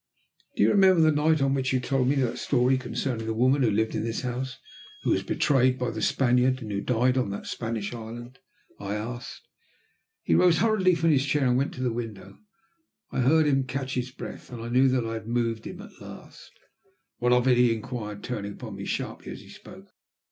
"Do you remember the night on which you told me that story concerning the woman who lived in this house, who was betrayed by the Spaniard, and who died on that Spanish island?" I asked. He rose hurriedly from his chair and went to the window. I heard him catch his breath, and knew that I had moved him at last. "What of it?" he inquired, turning on me sharply as he spoke.